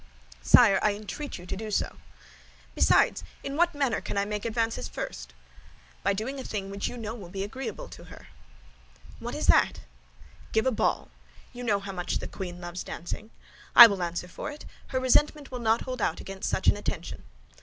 "Sire, I entreat you to do so." "Besides, in what manner can I make advances first?" "By doing a thing which you know will be agreeable to her." "What is that?" "Give a ball; you know how much the queen loves dancing. I will answer for it, her resentment will not hold out against such an attention."